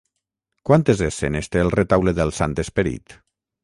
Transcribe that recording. Quantes escenes té el Retaule del Sant Esperit?